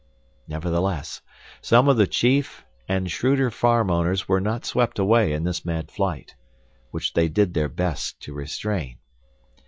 Nevertheless, some of the chief and shrewder farm owners were not swept away in this mad flight, which they did their best to restrain.